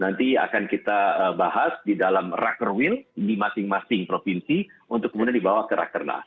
jadi akan kita bahas di dalam rakerwill di masing masing provinsi untuk kemudian dibawa ke rakerdat